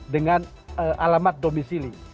dengan alamat domisili